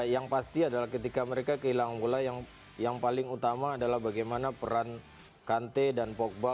yang pasti adalah ketika mereka kehilangan bola yang paling utama adalah bagaimana peran kante dan pogba